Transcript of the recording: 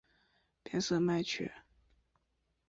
变色雀麦为禾本科雀麦属下的一个种。